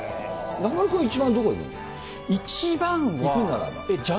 中丸君、一番どこ一番は。